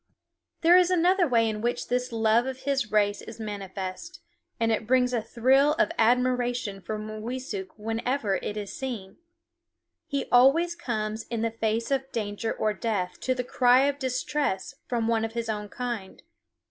There is another way in which this love of his race is manifest, and it brings a thrill of admiration for Mooweesuk whenever it is seen: he always comes in the face of danger or death to the cry of distress from one of his own kind.